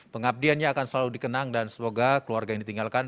pengabdiannya akan selalu dikenang dan semoga keluarga yang ditinggalkan